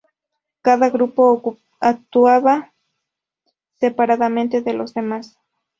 Cada grupo actuaba separadamente de los demás.